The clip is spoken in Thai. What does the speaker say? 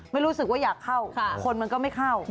ไม่รู้สึกว่าอยากเข้าคนมันก็ไม่เข้า